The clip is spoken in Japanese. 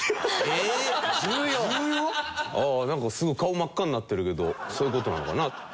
ああなんかすごい顔真っ赤になってるけどそういう事なのかな？